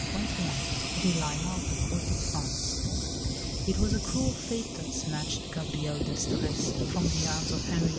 CHAPTER XXI A DELILAH OF THE COURT OF FRANCE It was a cruel fate that snatched Gabrielle d'Estrées from the arms of Henri IV.